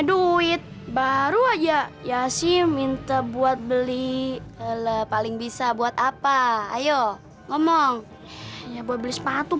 duit baru aja ya sih minta buat beli paling bisa buat apa ayo ngomong ya buat beli sepatu